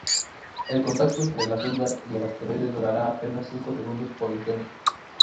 El contacto entre la sonda y el asteroide durará apenas cinco segundos por intento.